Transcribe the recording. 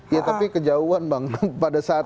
ya tapi kejauhan bang pada saat